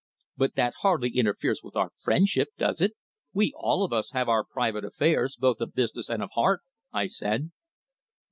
"But that hardly interferes with our friendship, does it? We all of us have our private affairs, both of business and of heart," I said.